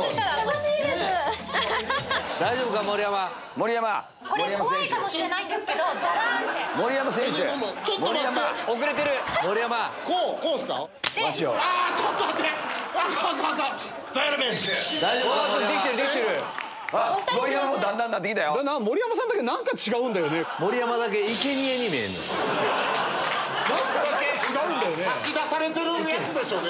僕だけ差し出されてるヤツでしょうね。